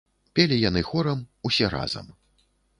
Пелі яны хорам, усе разам.